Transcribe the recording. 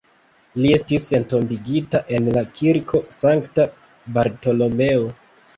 Li estis entombigita en la Kirko Sankta Bartolomeo.